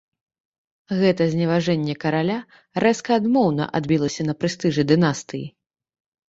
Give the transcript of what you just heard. Гэта зневажэнне караля рэзка адмоўна адбілася на прэстыжы дынастыі.